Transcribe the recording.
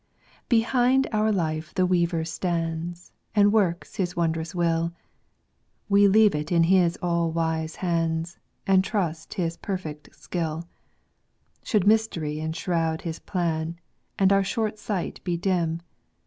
*' Behind our life the Weaver stands And works his wondrous will ; We leave it all in his wise hands, And trust his perfect skill. Should mystery enshroud his plan, And our short sight be dim.